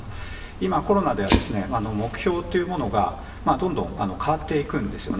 今、コロナでは、目標というものがどんどん変わっていくんですよね。